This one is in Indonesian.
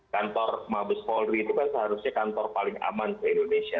kantor mabes polri itu kan seharusnya kantor paling aman di indonesia